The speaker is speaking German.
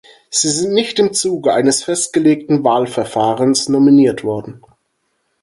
Sie sind nicht im Zuge eines festgelegten Wahlverfahrens nominiert worden.